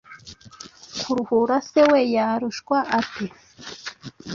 Karuhura se we yarushwa ate ?